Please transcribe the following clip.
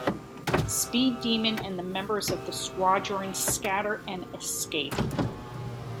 Speed Demon and the members of the Squadron scatter and escape.